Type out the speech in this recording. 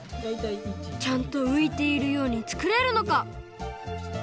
ちゃんとういているようにつくれるのか？